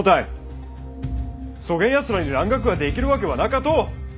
そげんやつらに蘭学ができるわけはなかと！